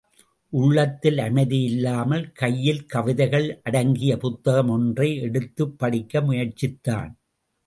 உள்ளத்தில் அமைதியில்லாமல், கையில் கவிதைகள் அடங்கிய புத்தகம் ஒன்றை எடுத்துப்படிக்க முயற்சித்தான்.